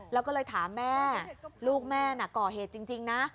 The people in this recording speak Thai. แล้วก็เลยถามแม่ลูกแม่น่ะก่อเหตุจริงนะ